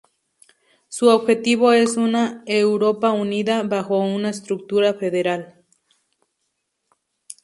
Su objetivo es una Europa unida bajo una estructura federal.